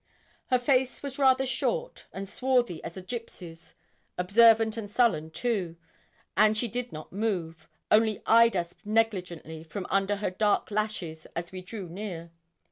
Her face was rather short, and swarthy as a gipsy's; observant and sullen too; and she did not move, only eyed us negligently from under her dark lashes as we drew near.